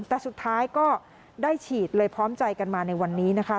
แต่สุดท้ายก็ได้ฉีดเลยพร้อมใจกันมาในวันนี้นะคะ